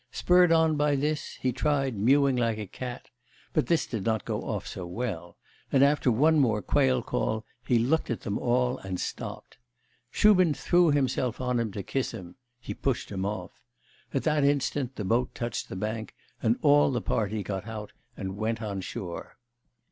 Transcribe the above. Spurred on by this, he tried mewing like a cat; but this did not go off so well; and after one more quail call, he looked at them all and stopped. Shubin threw himself on him to kiss him; he pushed him off. At that instant the boat touched the bank, and all the party got out and went on shore.